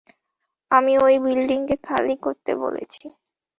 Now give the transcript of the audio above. আমি ওই বিল্ডিংকে খালি করতে বলেছি।